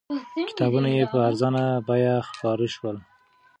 کتابونه یې په ارزانه بیه خپاره شول.